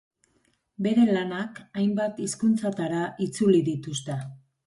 Bere lanak hainbat hizkuntzatara itzuli dituzte.